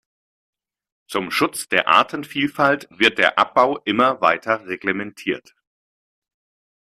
Zum Schutz der Artenvielfalt wird der Abbau immer weiter reglementiert.